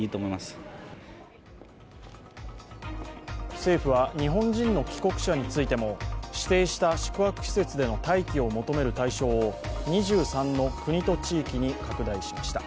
政府は、日本人の帰国者についても指定した宿泊施設での待機を求める対象を２３の国と地域に拡大しました。